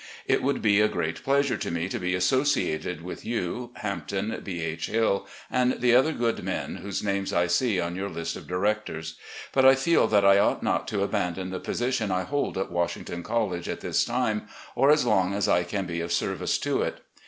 It would be a great pleasure to me to be associated with you, Hampton, B. H. Hill, and the other good men whose names I see on your list of directors, but I feel that I ought not to abandon the position I hold at Washington College at this time, or as long as I can be of service to it.